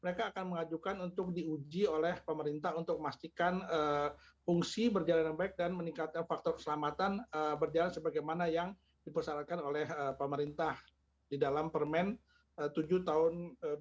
mereka akan mengajukan untuk diuji oleh pemerintah untuk memastikan fungsi berjalan dengan baik dan meningkatkan faktor keselamatan berjalan sebagaimana yang dipersyaratkan oleh pemerintah di dalam permen tujuh tahun dua ribu dua puluh